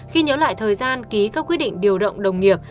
khi nhớ lại thời gian ký các quyết định điều động đồng nghiệp